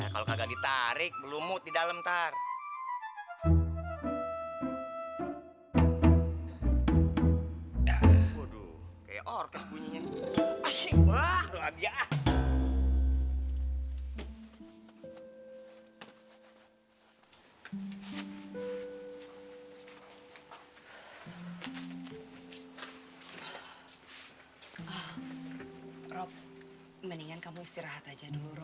kalau gak ditarik belumut di dalem ntar